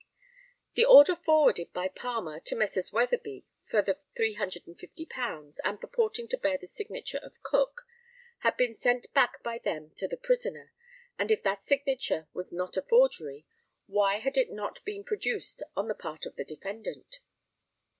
The order forwarded by Palmer to the Messrs. Weatherby for the £350, and purporting to bear the signature of Cook, had been sent back by them to the prisoner; and if that signature was not a forgery, why had it not been produced on the part of the defendant?